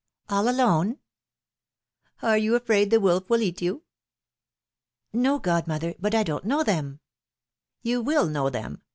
^'All alone ?" ^^Are you afraid the wolf will eat you?" No, godmother, but I don't know them." You will know them.